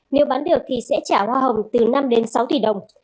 nếu bán được thì sẽ trả hoa hồng từ năm đến sáu tỷ đồng